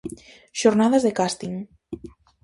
Xornadas de Casting.